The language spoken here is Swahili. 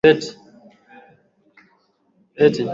ya jamhuri Ina tawi la mtendaji ambalo linaundwa